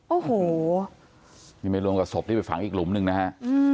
โอ้โหนี่ไม่รวมกับศพที่ไปฝังอีกหลุมหนึ่งนะฮะ